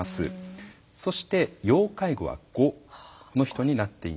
そして要介護は５の人になっています。